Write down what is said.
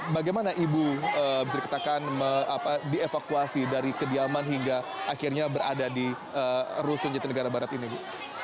bagaimana ibu bisa dikatakan dievakuasi dari kediaman hingga akhirnya berada di rusun jatinegara barat ini bu